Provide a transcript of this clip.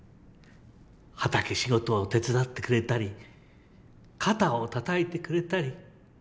畑仕事を手伝ってくれたり肩をたたいてくれたり。